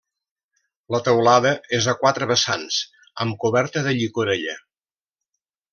La teulada és a quatre vessants, amb coberta de llicorella.